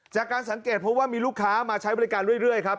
จากการสังเกตเพราะว่ามีลูกค้ามาใช้บริการเรื่อยครับ